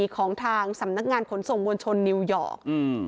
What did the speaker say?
ของทางสำนักงานขนส่งมวลชนนิวยอร์ก